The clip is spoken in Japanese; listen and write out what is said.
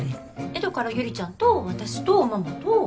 だからゆりちゃんと私とママと。